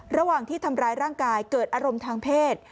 ระหว่างที่ทำร้ายร่างกายเกิดอารมณ์ทางเพศ